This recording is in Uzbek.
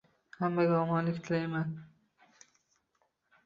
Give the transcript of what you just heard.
Hammaga omonlik tilayman.